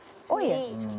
sini suka gambarnya